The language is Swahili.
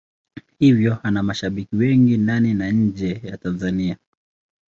Hivyo ana mashabiki wengi ndani na nje ya Tanzania.